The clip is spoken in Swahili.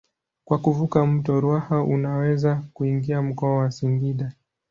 Kwa kuvuka mto Ruaha unaweza kuingia mkoa wa Singida.